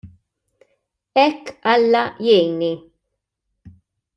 Hekk Alla jgħinni.